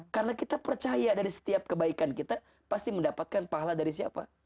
karena kita percaya dari setiap kebaikan kita pasti mendapatkan pahala dari siapa